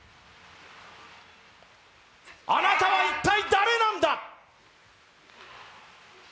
あなたは一体誰なんだ？